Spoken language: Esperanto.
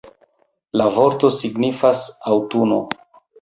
La vorto signifas „aŭtuno“.